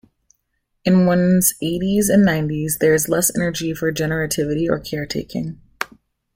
In one's eighties and nineties, there is less energy for generativity or caretaking.